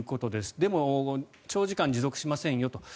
でも、長時間持続しませんよと。